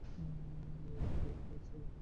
হেই, এ কী সারপ্রাইজ, ব্যাটমান!